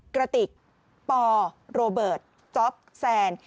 กระติกปโรเบิร์ตจ๊อปแซน